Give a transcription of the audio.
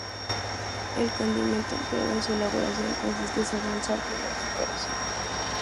El condimento empleado en su elaboración consiste sólo en sal, pimienta y perejil.